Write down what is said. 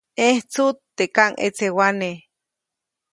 ʼẼjtsuʼt teʼ kaŋʼetsewane.